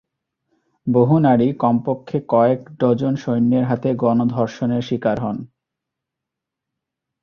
বহু নারী কমপক্ষে কয়েক ডজন সৈন্যের হাতে গণধর্ষণের শিকার হন।